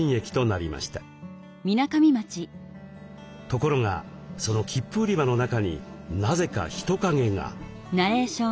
ところがその切符売り場の中になぜか人影が。